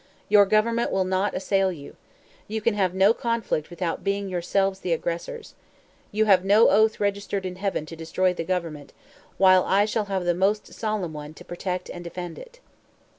Your government will not assail you. You can have no conflict without being yourselves the aggressors. You have no oath registered in heaven to destroy the government; while I shall have the most solemn one to protect and defend it."